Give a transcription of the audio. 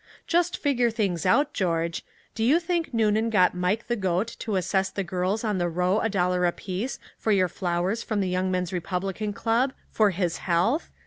"Just figure things out, George. Do you think Noonan got Mike the Goat to assess the girls on the row a dollar apiece for your flowers from the Young Men's Republican Club, for his health!